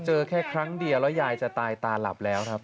เจอแค่ครั้งเดียวแล้วยายจะตายตาหลับแล้วครับ